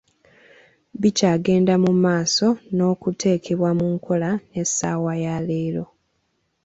Bikyagenda mu maaso n'okuteekebwa mu nkola n'essaawa ya leero.